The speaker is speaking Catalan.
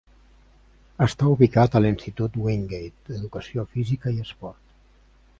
Està ubicat a l'Institut Wingate d'Educació Física i Esport.